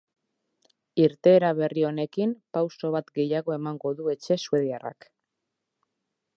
Irteera berri honekin pauso bat gehiago emango du etxe suediarrak.